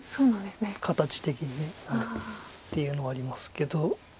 形的にっていうのはありますけど。